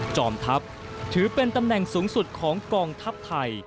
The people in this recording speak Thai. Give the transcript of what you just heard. จอมทัพถือเป็นตำแหน่งสูงสุดของกองทัพไทย